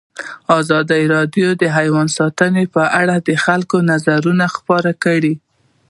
ازادي راډیو د حیوان ساتنه په اړه د خلکو نظرونه خپاره کړي.